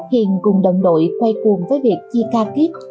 hiền cùng đồng đội quay cuồng với việc chi ca kiếp